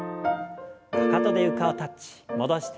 かかとで床をタッチ戻して。